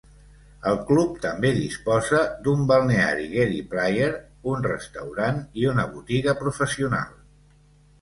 El club també disposa d'un balneari Gary Player, un restaurant i una botiga professional.